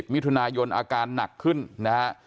๒๐มิยอาการหนักขึ้นนะฮะ